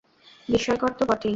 বিস্ময়কর তো বটেই।